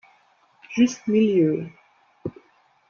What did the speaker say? Juste Milieu.